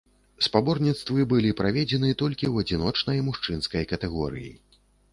Спаборніцтвы былі праведзены толькі ў адзіночнай мужчынскай катэгорыі.